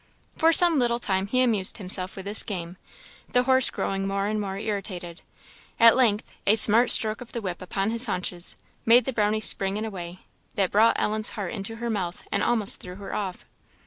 For some little time he amused himself with this game, the horse growing more and more irritated. At length a smart stroke of the whip upon his haunches, made the Brownie spring in a way that brought Ellen's heart into her mouth and almost threw her off.